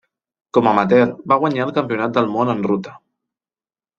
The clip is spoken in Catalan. Com amateur va guanyar el Campionat del món en ruta.